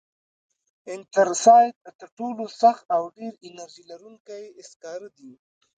انترسایت تر ټولو سخت او ډېر انرژي لرونکی سکاره دي.